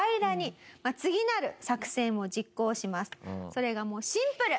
それがもうシンプル。